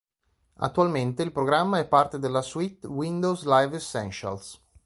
Attualmente il programma è parte della suite Windows Live Essentials.